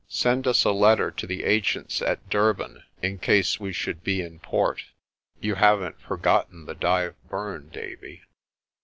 Send us a letter to the agents at Durban in case we should be in port. You haven't forgotten the Dyve Burn, Davie?'